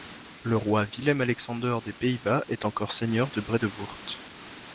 Le Roi Willem-Alexander des Pays-Bas est encore seigneur de Bredevoort.